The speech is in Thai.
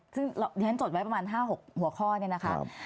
ซึ่งดิฉันจดไว้ประมาณ๕๖หัวข้อ